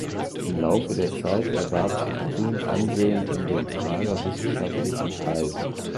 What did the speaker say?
Im Laufe der Zeit erwarb sich Grün Ansehen in den Prager wissenschaftlichen Kreisen.